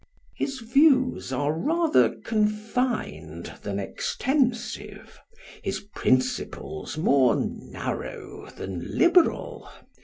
His views are rather confined than extensive ; his prin ciples more narrow than liberal.